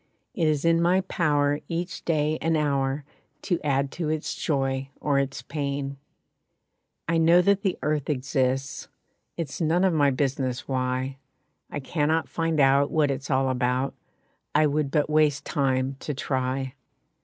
It is in my power each day and hour To add to its joy or its pain. I know that the earth exists, It is none of my business why. I cannot find out what it's all about, I would but waste time to try.